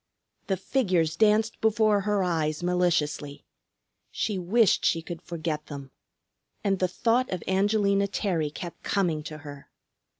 The figures danced before her eyes maliciously. She wished she could forget them. And the thought of Angelina Terry kept coming to her.